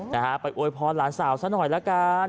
นะฮะไปอวยพรหลานสาวซะหน่อยละกัน